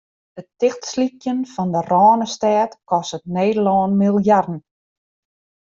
It tichtslykjen fan de Rânestêd kostet Nederlân miljarden.